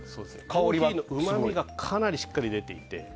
コーヒーのうまみがかなりしっかり出ていて。